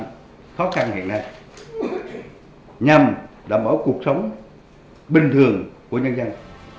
những khó khăn hiện nay nhằm đảm bảo cuộc sống bình thường của nhân dân